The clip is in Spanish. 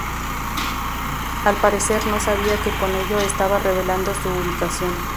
Al parecer, no sabía que con ello estaba revelando su ubicación.